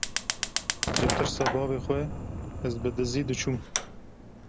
ji tirsa bavê xwe ez bi dizî diçûm.